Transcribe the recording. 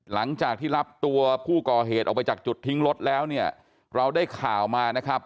หลังจากที่รับตัวผู้ก่อเหตุออกไปจากจุดทิ้งรถแล้วเนี่ยเราได้ข่าวมานะครับ